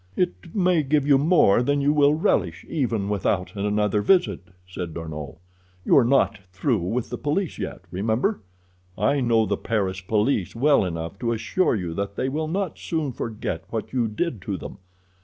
"It may give you more than you will relish even without another visit," said D'Arnot. "You are not through with the police yet, remember. I know the Paris police well enough to assure you that they will not soon forget what you did to them.